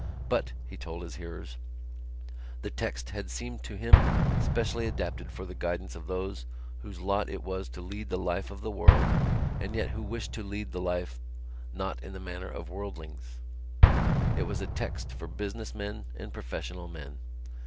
But, he told his hearers, the text had seemed to him specially adapted for the guidance of those whose lot it was to lead the life of the world and who yet wished to lead that life not in the manner of worldlings. It was a text for business men and professional men.